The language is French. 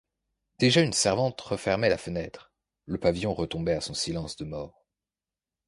Déjà une servante refermait la fenêtre, le pavillon retombait à son silence de mort.